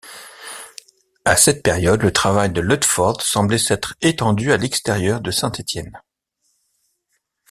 À cette période, le travail de Ludford semble s'être étendu à l'extérieur de St-Etienne.